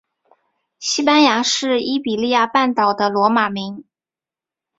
西班牙是伊比利亚半岛的罗马名。